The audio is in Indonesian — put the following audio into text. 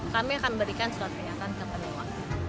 kami akan memberikan surat peringatan ke pengelola